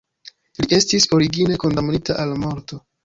Li estis origine kondamnita al morto.